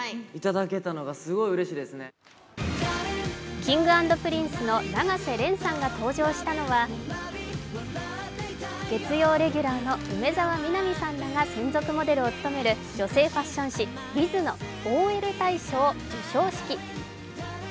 ｋｉｎｇ＆Ｐｒｉｎｃｅの永瀬廉さんが登場したのは、月曜レギュラーの梅澤美波さんらが専属モデルを務める女性ファッション誌「ｗｉｔｈ」のＯＬ大賞授賞式。